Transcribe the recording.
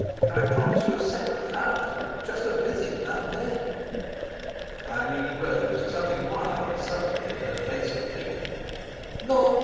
If I promise you a separate house—and just a visit now and then?" Irene rose, something wild suddenly in her face and figure. "None!